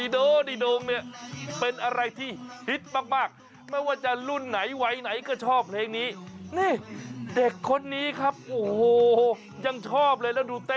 โดดิโดมแล้วไม่ได้หน้าหมด